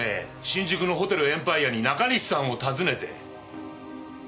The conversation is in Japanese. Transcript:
新宿のホテルエンパイアに中西さんを訪ねて。